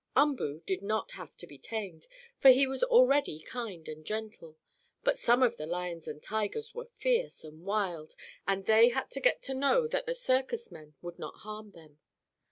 Umboo did not have to be tamed, for he was already kind and gentle. But some of the lions and tigers were fierce and wild, and they had to get to know that the circus men would not harm them.